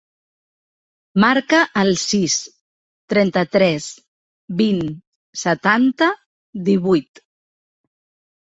Marca el sis, trenta-tres, vint, setanta, divuit.